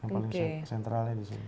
yang paling sentralnya di sini